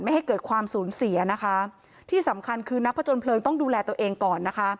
ให้เกิดความสูญเสียนะคะที่สำคัญคือนักผจญเพลิงต้องดูแลตัวเองก่อนนะคะ